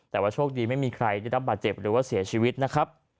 แต่ว่าโชคดีไม่มีใครได้รับบาดเจ็บหรือว่าเสียชีวิตนะครับ